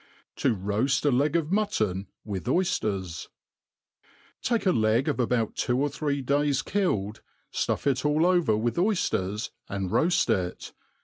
To roafl a Leg of Mutton with Oyjiers^ Take a leg about two or three days killed, ftuff it all over W/th oyfters, ami roaft it.